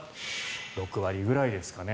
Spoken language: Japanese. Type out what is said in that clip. ６割ぐらいですかね。